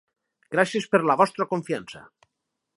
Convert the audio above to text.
Gràcies per la vostra confiança!